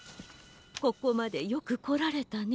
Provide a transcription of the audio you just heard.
「ここまでよくこられたね。